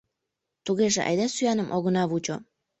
— Тугеже айда сӱаным огына вучо...